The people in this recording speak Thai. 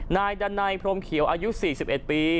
นายดันไนพรมเขียวอายุ๔๑ปี